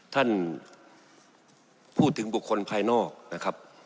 ท่านพูดถึงบุคคลภายนอกนะครับ